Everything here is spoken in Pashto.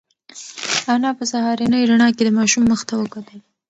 انا په سهارنۍ رڼا کې د ماشوم مخ ته وکتل.